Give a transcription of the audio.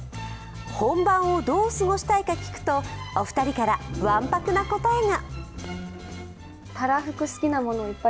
本番をどう過ごしたいか聞くと、お二人からわんぱくな答えが。